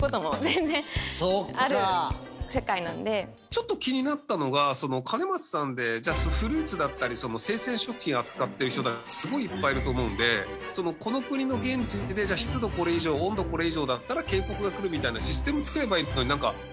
ちょっと気になったのが兼松さんでフルーツだったり生鮮食品を扱ってる人ってすごいいっぱいいると思うんでこの国の現地で湿度これ以上温度これ以上だったら警告が来るみたいなシステム作ればいいのになんかすごい。